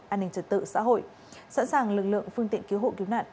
an ninh trật tự xã hội sẵn sàng lực lượng phương tiện cứu hộ cứu nạn